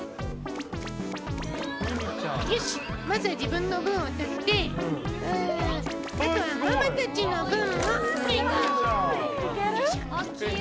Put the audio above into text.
よし、まずは自分の分を取って、ママたちの分も、よいちょ。